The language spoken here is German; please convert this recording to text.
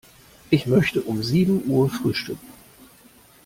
Ich möchte um sieben Uhr frühstücken.